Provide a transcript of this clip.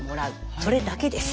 それだけです。